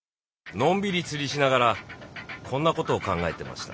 のんびり釣りしながらこんなことを考えてました。